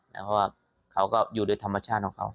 เพราะว่าเขาก็อยู่โดยธรรมชาติของเขา